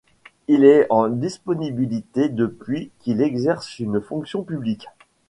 Il est en disponibilité depuis qu'il exerce une fonction publique.